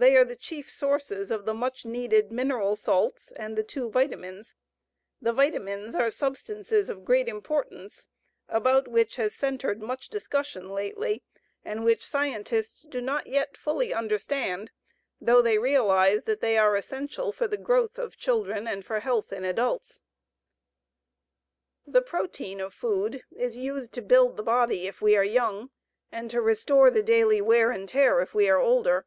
They are the chief sources of the much needed mineral salts and the two vitamines. The vitamines are substances of great importance about which has centred much discussion lately and which scientists do not yet fully understand, though they realize that they are essential for the growth of children and for health in adults. The protein of food is used to build the body if we are young, and to restore the daily wear and tear if we are older.